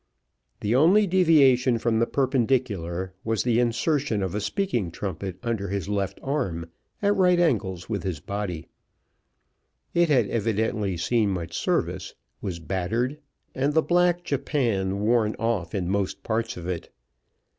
The only deviation from the perpendicular was from the insertion of a speaking trumpet under his left arm, at right angles with his body. It had evidently seen much service, was battered, and the clack Japan worn off in most parts of it.